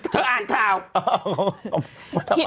เธออ่านข่าวไป